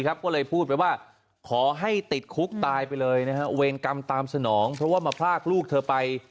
ก็เลยพูดไปว่าขอให้ติดคุกตายไปเลยเวรกรรมตามสนองเพราะว่ามาพลากลูกเธอไป